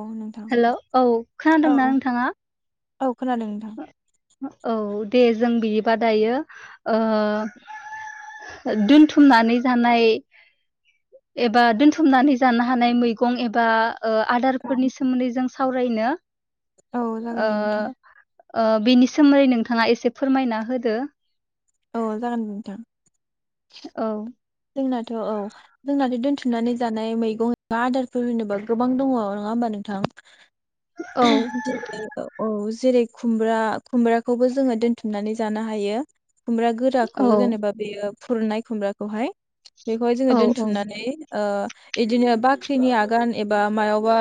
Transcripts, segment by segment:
औ नोंथां हेल' औ औ खोनादोंना नोंथाङा? औ खोनादों नोंथां हो- हो औ दे जों बियोबा दायो ओ दोनथुमनानै जानाय एबा दोनथुमनानै जानो हानाय मैगं एबा ओ आदारफोरनि सोमोन्दै जों साव रायना औ ओ जागोन दे नोंथां ओ बेनि सोमै नोंथाङा एसे फोरमायना होदो । औ जागोन नोंथां। औ जोंनाथ' औ जोंना दोनथुम नानै जानाय मैगं एबा आदारफोर होनोबा गोबां दङ नङा होमबा नोंथां औ । ओ दिनै ओ औ जेरै खुमब्रा, खुमब्राखौबो जोङो दोनथुमनानै जानो हायो । खुमब्रा गोराखौ औ जेनेबा बेयो फुरनाय खुमब्राखौहाय बेखौहाय जोङो औ दोनथुमनानै ओ इदिनो बाख्रिनि आगान एबा मायावबा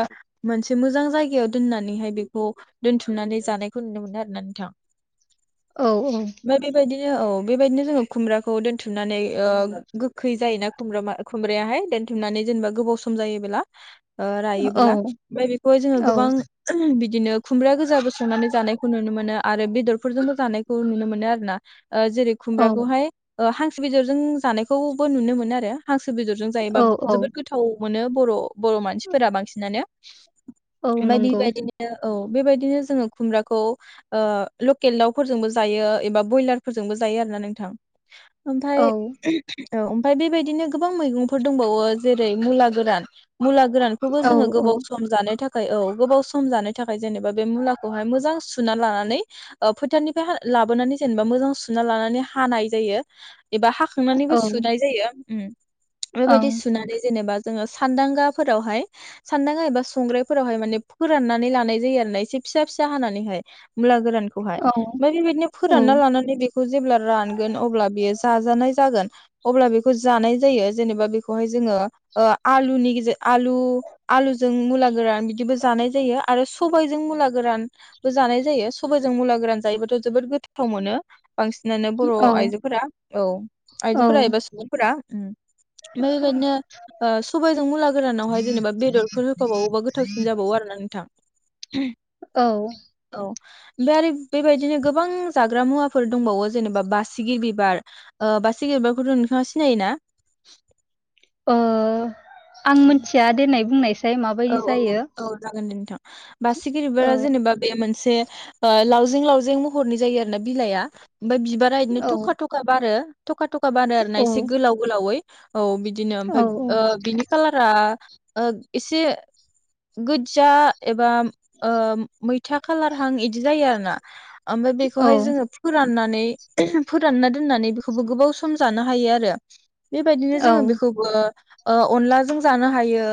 मोनसे मोजां जायगायाव दोननानैहाय बेखौ दोनथुमनानै जानायखौ नुनो मोनो आरो ना नोंथां। औ औ नो औ बेबायदिनो जोंङो खुमब्राखौ दोनथुमनानै ओ गोखै जायोना खुमब्रा मा खुमब्रायाहाय दोनथुमनानै जेनेबा गोबाव सम जायोब्ला ओ औ रायोबोला। ओमफाय बेखौहाय जोंङो गोबां बि दिनो खुमब्रा गोजाबो संनानै जानायखौ नुनो मोनो। आरो बेदरफोरजोंबो जानायखौ नुनो मोनो आरो ना । ओ जेरै औ खुमब्राखौहाय ओ हांसो बेदरजों जानाय खौबो नुनो मोनो आरो। हां सो बेदरजों जायोबा औ औ जोबोद गोथाव मोनो बर' बर' मानसिफोरा बांसिनानो। औ ओमफाय नंगौ बिबायदिनो औ बेबायदिनो जोंङो खुमब्राखौ ओ लकेल दावफोरजोंबो जायो एबा ब्रयलारफोरजोंबो जायो आरो ना नोंथां। औ ओमफाय औ ओमफाय बेबायदिनो गोबां मैगंफोर दंबावो जेरै मुला गोरान, मुला गोरानखौबो औ जोंङो औ गोबाव सम जानो था खै औ गोबाव सम जानाय थाखाय जेनेबा बे मुलाखौहाय मोजां सुना लानानै ओ फोथारनिफ्राय लाबोनानै जेनेबा मोजां सुना लानानै हानाय जायो एबा हाखां औ सुनाय जायो। उम बेबायदि सुनानै जेनेबा जोंङो सानदांगाफोरावहाय सानदांगा एबा संग्रायफोरावहाय माने फोराननानै लानाय जायो आरो ना। एसे फिसा फिसा हानानैहाय मुला गोरानखौहाय। ओमफाय बेबायदिनो औ फोरानना लानानै बेखौ जेब्ला रानगोन अब्ला बेयो जाजानाय जागोन। अब्ला बेखौ जानाय जायो जेनेबा बेखौहाय जोंङो ओ आलुनि गेजे आलु आलुजों मुला गोरान, बिदिबो जानाय जायो आरो सबायजों मुला गोरान बो जानाय जायो सबायजों मुला गोरान जायोबाथ' जोबोद गोथाव मोनो । बांसिनानो बर' औ आइजोफोरा औ आइजो फोरा एबा सुबुंफोरा। ओमफाय बेबायदिनो ओ सबायजों मुला गोरानावहाय जेनेबा बेदरफोर होफाबावोबा गोथावसिन जाबावो आरो ना नोंथां। औ ओमफाय आरो बेबाय दिनो गोबां जाग्रा मुवाफोर दंबावो जेनेबा बासिगि बिबार ओ बासिगि बिबार खौथ' नोंथांङा सिनायोना ओ आं मोनथिया देनाय बुंनाय औ औ औ औ जागोन नोंथां बासिगिरिबो औ जेनेबा बे मोनसे से लावजें लावजें महरनि जायो आरोना बिलाइआ ओमफ्राय बिबारा बिदिनो औ थखा थखा बारो थखा थखा बारो आरो ना औ एसे गोलाव गोलावै [unintelligible] औ बिदिनो औ औ ओमफाय ओ बिनि कालारा आ एसे गुज्जा एबा अ मैथा खालारहां इदि जायो आरो ना ओमफ्राय औ बेखौहाय जोङो फोरान नानै फोरानना दोननानै बेखौबो गोबाव सम जानो हायो आरो बेबायदिनो औ जोङो बेखौबो अ अनलाजों जानो हायो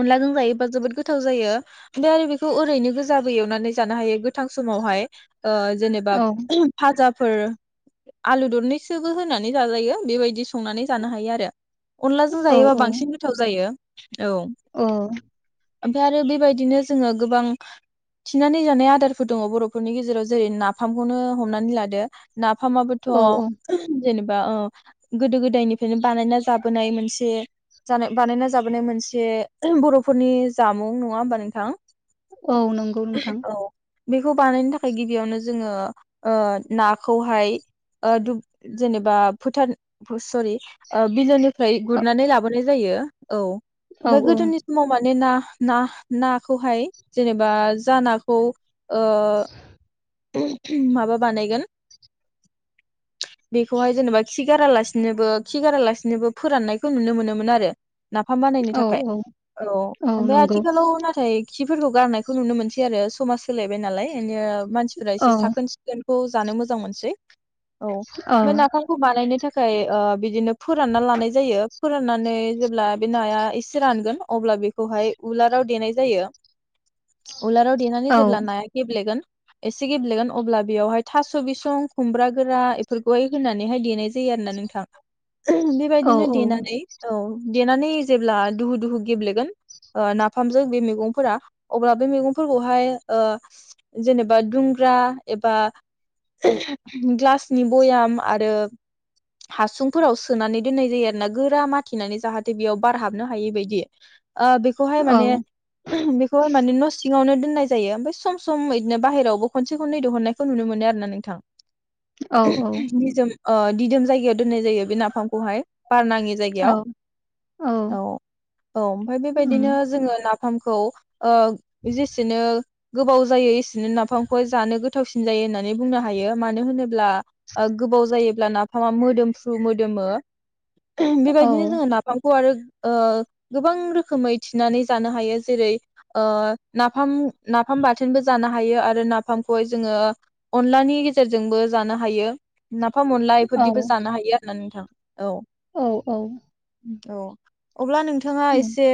अनलाजों जायो बा जोबोर गो गोथाव जायो ओमफ्राय आरो बेखौ ओरैनो गोजाबो एवनानै जानो हायो गोथां समावहाय जेनेबा औ फाजा फोर आलु दरनैसोबो होनानै जाजायो बेबायदि संनानै जानो हायो आरो अनलाजों औ जायोबा बांसिन गोथाव जायो औ औ ओमफ्राय आरो बेबायदिनो जोङो गोबां थिनानै जानाय आदारफोर दङ बर'फोरनि गेजेराव जेरै नाफामखौनो हमनानै लादो नाफामाबोथ' औ जेनेबा अ गोदो गोदायनिफ्रायनो बानायना जाबोनाय मोनसे बानायना जाबोनाय मोनसे बर'फोरनि जामुं नङा होमबा नोंथां औ नंगौ नोंथां औ बेखौ बानायनो थाखाय गिबियावनो जोङो अ नाखौहाय अ दुब जेनेबा फोथार सरि अ बिजिर ओमफ्राय औ गुरनानै लाबोनाय जायो औ औ ओमफ्राय सम माने ना ना नाखौहाय जेनेबा ज नाखौ ओ माबा बानायगोन बेखौहाय जेनेबा खि गारालासिनोबो खि गारालासिनोबो फोराननायखौ नुनो मोनोमोन आरो नाफाम बानायनो औ थाखाय औ औ ओफाय आथिखालाव नाथाय खिफोरखौ गारनायखौ नुनो मोनसै आरो समाज सोलायबाय नालाय बिनो मानसिफ्रा औ एसे साखोन सिखोन खौ जानो मोजां मोनसै औ बे नाफामखौ बानायनो थाखाय बिदिनो फोरानना लानाय जायो फोराननानै जेब्ला बे नाया ऐसे से रानगोन अब्ला बेखौहाय उलाराव देनाय जायो। उलाराव देनानै औ जेब्ला नाया गेब्लेगोन एसे गेब्लेगोन अब्ला बेयावहाय थास' बिसं खुमब्रा गोरा बेफोरखौहाय होनानैहाय देनाय जायो आरो ना नोंथां औ बेबायदिनो देनानै औ देनानै जेब्ला दुहु दुहु गेब्लेगोन नाफामजों बे मैगंफोरा अब्ला बे मैगंफोरखौहाय जेनेबा दुंग्रा एबा ग्लासनि बयाम आरो हासुंफोराव सोनानै दोननाय जायो आरोना गोरा माथिनानै जाहाथे बेयाव बारहाबनो हायैबायायदि ओ बेखौहाय औ माने बेखौहाय माने नस सिङावनो दोननाय जायो ओमफाय सम सम बिदिनो बाहेरावबो खनसे खनै दिहुननायखौ नुनो मोनो आर ना नोंथां। निजोम अ दिदोम जायगायाव दोननाय जायो बे नाफामखौहाय बार नङि औ जायगायाव औ औ ओमफाय उम बेबायदिनो जोङो नाफामखौ ओ जेसेनो गोबाव जायो एसेनो नाफामखौहाय जानो गोथावसिन जायो होननानै बुंनो हायो मानो होनोब्ला गोबाव जायोब्ला नाफामा मोदोमफ्रु मोदोमो औ बेबायदिनो जोङो नाफाम ख आरो ओ गोबां रोखोमै थिनानै जानो हायो जेरै नाफाम नाफाम बाथोनबो जानो हायो आरो नाफामखौहाय जोङो अनलानि गेजेरजोंबो जानो हायो। नाफा अनला इफोरदिबो जानो हायो। [unintelligible] औ औ औ औ अब्ला नोंथाङा उम एसे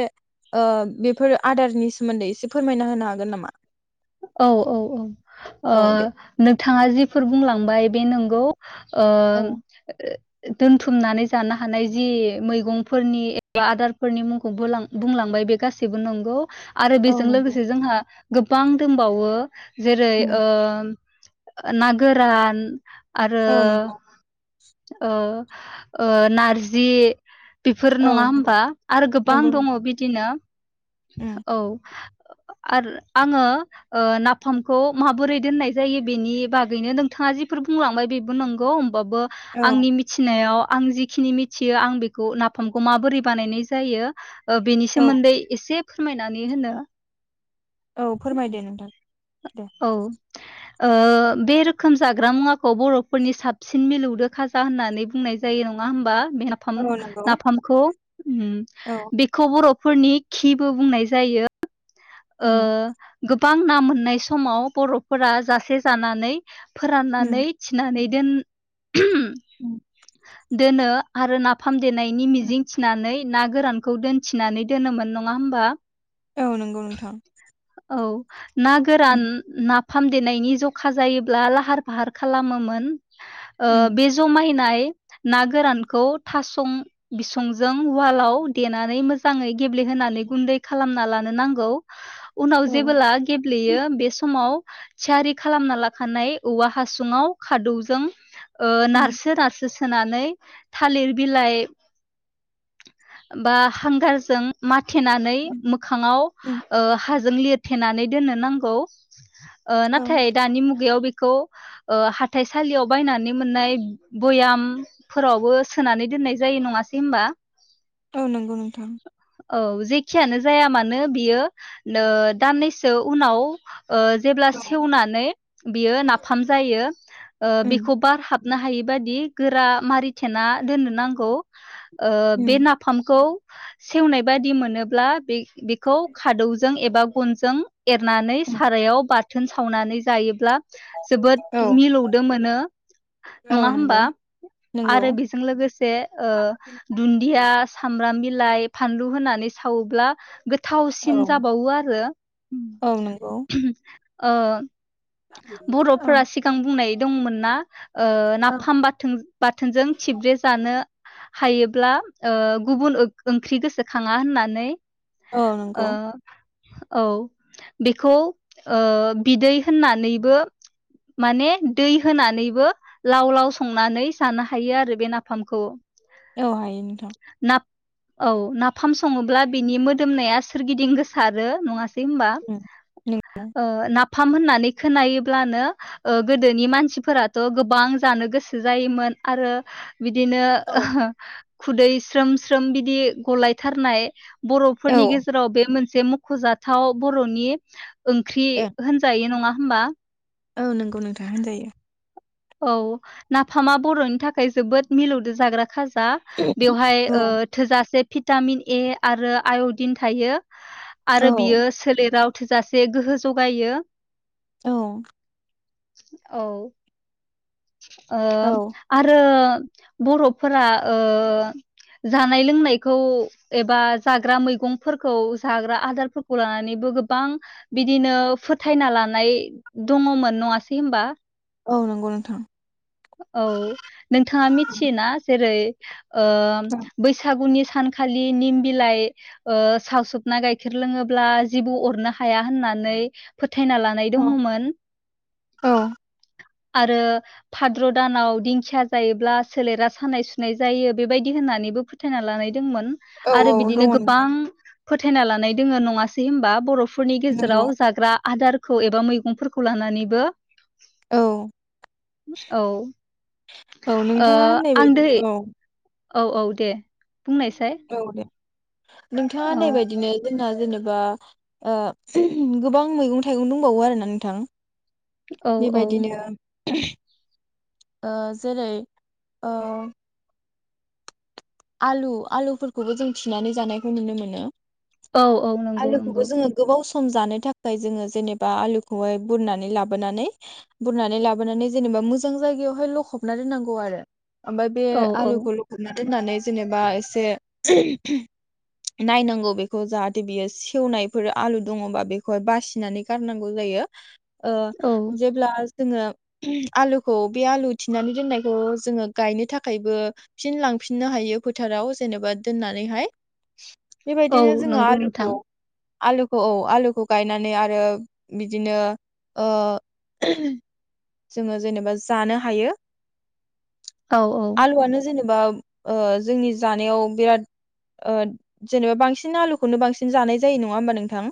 ओ बेफोर आदारनि सोमोन्दै एसे फोरमायना होनो हागोन नामा औ औ औ ओ औ दे नों थाङा जिफोर बुंलांबाय बे नंगौ। औ ओं [unintelligible] दोनथुमनानै जानो हानाय जि मैगंफोरनि एबा आदारफोरनि मुंखौ बोलां बुंलां बाय बे गासैबो नंगौ । आरो औ बेजों नंगौ लोगोसे जोंहा गोबां दोंबावो जेरै उम ओ ओ ना गोरान आरो औ नंगौ ओ ओ नारजि बेफोर औ नङा नंगौ होमबा आरो गोबां नंगौ दङ' नोंथां बिदिनो औ। उम ओ ओ आरो आङो ओ नाफामखौ माबोरै दोननाय जायो बेनि बागैनो नोंथाङा जिफोर बुंलांबाय बेबो नंगौ बाबो औ आंनि मिथिनायाव आं जिखिनि मिथियो आं बेखौ नाफामखौ माबोरै बानायनाय जायो ओ बेनि औ सोमोन्दै एसे फोरमायनानै होनो औ फोरमाय दे नोंथां दे औ ओ बे रोखोम जाग्रा मुवाखौ बर'फोरनि साबसिन मिलौदो खाजा होननानै बुंनाय जायो नङा होमबा? बे नाफाम औ नंगौ नाफामखौ। उम औ बेखौ बर' फोरनि खिबो बुंनाय जायो। ओ उम गो बां ना मोन्नाय स समाव बर'फोरा जासे जानानै उम फोराननानै थिनानै दोन उम [unintelligible] दोनो आरो नाफाम देनायनि उम मिजिं थिनानै ना गोरानखौ दोनथिनानै दोनोमोन नङा होमबा? औ नंगौ नोंथां। औ ना उम फोरान ना फाम देनायनि जखा जायोब्ला लाहार फाहार खालामोमोन। ओ उम बे जमायनाय ना गोरानखौ थासं बिसंजों ववालाव देनानै मोजाङै गेब्लेहोनानै गुन्दै खालामना लानो नांगौ। उनाव औ जेबोब्ला गेब उम यो बे समाव थियारि खालामना लाखानाय औवा हासुङाव खादौजों। ओ उम नारसो नारसो सो होनानै थालिर बिलाइ बा हांगारजों मा थेनानै मोखांआव उम ओ हा जों लेथेनानै दोननो नांगौ। ओ औ नाथाय दानि मुगायाव बे खौ ओ हाथाइसालियाव बायनानै मोननाय भयामफोरावबो सोनानै दोननाय जायो नङासै होमबा? औ नोंगौ नोंथां। औ जेखियानो जाया मानो बियो नो दाननैसो सो उनाव ओ जेब्ला उम सेवनानै बियो नाफाम जायो। ओ बिखौ बार हाब हाबनो हायि बादि गोरा मारिथेना दोननो नांगौ। ओ बे उम नाफामखौ सेवनाय बादि मोनोब्ला बे बेखौ खादौजों एबा गनजों एरनानै उम सारायाव बाथोन सावनानै जायोब्ला जोबोद औ मिलौदों मोनो नङा औ होमबा नंगौ नंगौ आरो बेजों लोगोसे ओ दुन्दिया सामब्राम बिलाइ फानलु होनानै सावोब्ला औ गोथावसिन जाबावो आरो। औ नोंगौ। ओ। औ बर'फोरा सिगां बुंनाय दंमोन ना। ओ औ नाफाम बाथोन बाथोनजों थिब्रे जानो। हायोब्ला ओ गुबुन ओ ओंख्रि गोसोखाङा होननानै। औ नोंगौ। ओ औ बेखौ ओ बिदै होनना नैबो माने दै होनानैबो लाव लाव संनानै जानो हायो आरो बे नाफामखौ। औ हायो नोंथां ना औ नाफाम सङोब्ला बिनि मोदोमनाया सोरगिदिं गोसारो, नङा सै होमबा? उम ओ नाफ फाम होननानै खोनायोब्लानो ओ गोदोनि मानसिफोराथ' गोबां जानो गोसो जायोमोन आरो बिदिनो औ ओ खुदै स्रोम स्रोम बिदि ग'लायथारनाय औ बर'फोरनि गेजेराव बे मोन से मख'जा थाव बर'नि ओंख्रि ए होनजायो नङा होमबा? औ नोंगौ नोंथां होनजायो। औ नाफामा बर'नि थाखाय जोबोद मिलौदो जाग्रा खाज जा। औ बेवहाय ओ थोजासे भिटामिन ए आरो आय'दिन थायो। औ आरो बियो सोलेराव थोजासे गोहो ज'गायो। औ। औ। ओ औ आरो बर'फोरा ओ जानाय लोंनायखौ एबा जाग्रा मैगंफोरखौ जाग्रा आदारफोरखौ लानानैबो गोबां फोथायना लानाय दङमोन, नङासै होमबा? औ नोंगौ नोंथां। औ नोंथाङा मिथियोना, जेरै [inaudible] ओ औ बैसागुनि सा सानखालि निम बिलाइ ओ सावसोबना गाइखेर लोङोब्ला जिबौ अरनो हाया होननानै फो थायना लानाय औ दङमोन। आरो भाद्र' दानाव दिंखिया जायोब्ला सोलेरा सानाय सुनाय जायो, बेबायदि होननानैबो फोथायना लानाय दोंमोन औ आरो बिदिनो दङ नोंथां गोबां फोथायना लानाय दोङो, नङासै होमबा बर' फोरनि नंगौ गेजेराव जाग्रा आदार खौ एबा मैगंफोरखौ लानानैबो। औ औ औ ओ नोंथाङा होननाय आं दोहै बायदिनो औ औ औ दे । बुं नायसाय औ दे नोंथाङा होननाय बायदिनो जोंना जेनेबा ओ गोबां मैगं-थाइगं दंबावो आरो ना नोंथां। औ औ बेबायदिनो ओ जेरै ओं आलु आलुफोरखौबो जों थिनानै जानायखौ नुनो मोनो। औ औ नंगौ नंगौ। आलुखौबो जोङो गोबाव सम जानो थाखाय जोङो जेनेबा आलुखौहाय बुरनानै लाबोनानै बुरनानै लाबोनानै जेनेबा मोजां जायगायावहाय लखबना दोननांगौ आरो। ओमफ्राय बे औ औ आलुखौ लखबना दोननानै जेनेबा एसे नायनांगौ बेखौ जाहाथे बियो सेवनायफोर आलु दङबा बेखौहाय बासिनानै गारनांगौ जायो। ओ औ जेब्ला जोङो आलुखौ बे आलु थिनानै दोननायखौ जोङो गायनो थाखायबो फिन लांफिननो हायो। फोथाराव जेनेबा दोननानैहाय औ बेबायदिनो जोङो नंगौ नोंथां आलुखौ आलुखौ औ आलुखौ गायनानै आरो बिदिनो ओ जोङो जेनेबा जानो हायो। औ औ आलुवानो जेने बा ओ जोंनि जानायाव बिराद ओ जेनेबा बांसिन आलुखौनो बांसिन जानाय जायो नङा होमबा नोंथां।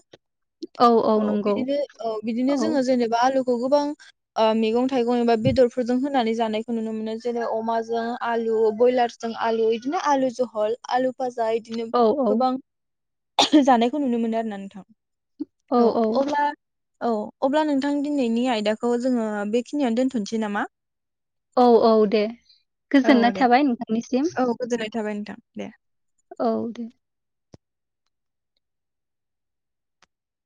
औ बिदिनो औ बिदिनो जोङो जेनेबा आलु खौ गोबां ओ मैगं-थाइगं एबा बेदरफोरजों होनानै जानायखौ नुनो मोनो । जेरै अमाजों आलु, ब्रयलारजों आलु बिदिनो आलु जहल आलु पा जा बिदिनो औ औ गोबां। जानायखौ नुनो मोनो आरो ना नोंथां। औ अब्ला औ अब्ला नोंथां दिनैनि आयदाखौ जोङो बेखिनियावनो दोनथ'नोसै नामाी? औ औ दे औ गोजोननाय दे थाबाय नोंथांनिसिम। औ गोजोननाय थाबाय नोंथां दे। औ दे।